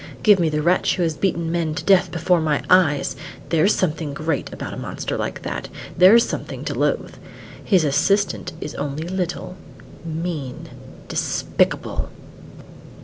Give me the wretch who has beaten men to death before my eyes; there's something great about a monster like that, there's something to loathe. His assistant is only little mean despicable!"